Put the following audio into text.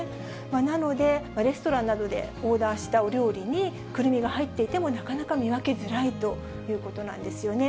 なので、レストランなどでオーダーしたお料理にくるみが入っていても、なかなか見分けづらいということなんですよね。